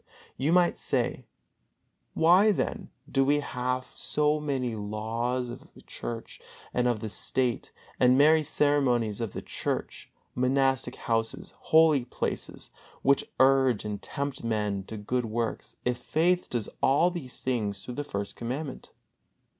You might say: "Why then do we have so many laws of the Church and of the State, and many ceremonies of churches, monastic houses, holy places, which urge and tempt men to good works, if faith does all things through the First Commandment?"